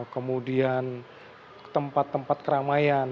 kemudian tempat tempat keramaian